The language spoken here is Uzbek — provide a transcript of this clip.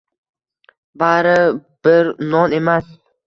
Bari bir non emas.